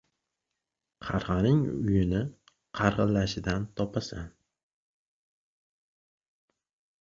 • Qarg‘aning uyini qag‘illashidan topasan.